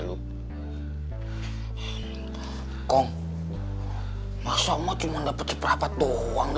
tuk tuk tuk